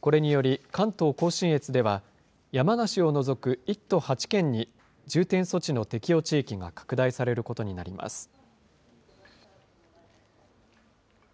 これにより、関東甲信越では、山梨を除く１都８県に重点措置の適用地域が拡大されることになります。